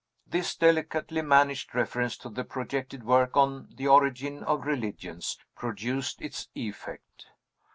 This delicately managed reference to the projected work on "The Origin of Religions" produced its effect.